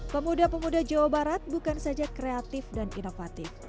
pemuda pemuda jawa barat bukan saja kreatif dan inovatif